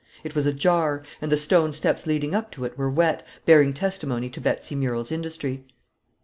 It was ajar, and the stone steps leading up to it were wet, bearing testimony to Betsy Murrel's industry.